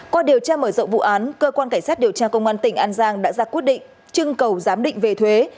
qua điều tra mở rộng vụ án cơ quan cảnh sát điều tra công an tỉnh an giang đã ra quyết định trưng cầu giám định về thuế